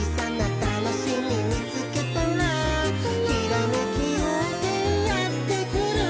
「ひらめきようせいやってくる」